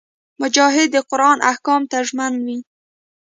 مجاهد د قران احکامو ته ژمن وي.